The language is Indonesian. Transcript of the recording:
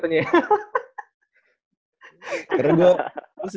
karena gue sebenernya pernah lawan lu itu